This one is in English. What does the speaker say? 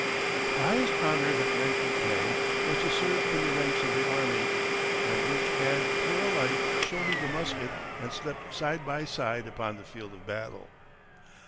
The highest honour that men could claim was to serve in the ranks of the army; and rich and poor alike shouldered the musket and slept side by side upon the field of battle.